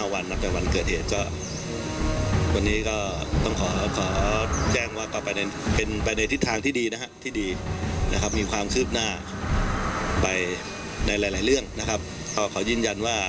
วันนี้ก็ต้องขอขอแจ้งว่ากลับไปเป็นไปในทิศทางที่ดีนะครับที่ดีนะครับมีความคืบหน้าไปในหลายเรื่องนะครับก็ขอยืนยันว่า